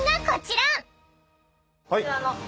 こちらの。